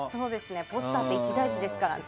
ポスターって一大事ですからね。